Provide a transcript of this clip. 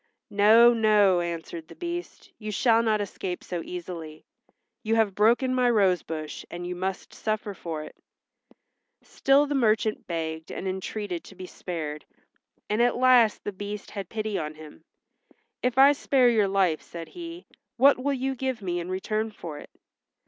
"No, no," answered the Beast. "You shall not escape so easily. You have broken my rose bush and you must suffer for it." Still the merchant begged and entreated to be spared and at last the Beast had pity on him. "If I spare your life," said he, "what will you give me in return for it?"